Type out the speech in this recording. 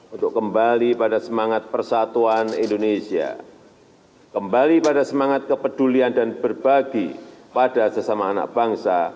untuk kembali pada semangat persatuan indonesia kembali pada semangat kepedulian dan berbagi pada sesama anak bangsa